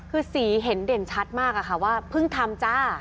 คือสีเห็นเด่นชัดมากอะค่ะว่าเพิ่งทำจ้า